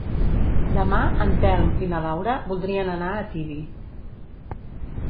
Demà en Telm i na Laura voldrien anar a Tibi.